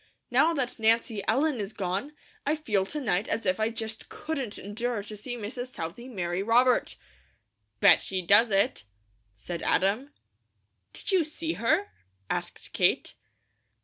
Now that Nancy Ellen is gone, I feel to night as if I just couldn't endure to see Mrs. Southey marry Robert." "Bet she does it!" said Adam. "Did you see her?" asked Kate.